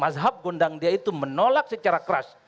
mazhab gondangdia itu menolak secara keras